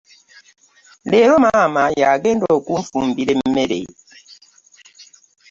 Leero maama yagenda okutufumbira emmere.